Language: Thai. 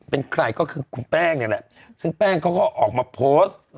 เป็นใครก็คือคุณแป้งเนี่ยแหละซึ่งแป้งเขาก็ออกมาโพสต์